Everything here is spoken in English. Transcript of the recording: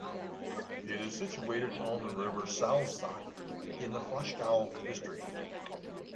It is situated on the river Salzach in the Flachgau district.